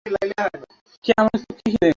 Gym Parks senior অনন্য সাধারণ double পেয়েছেন।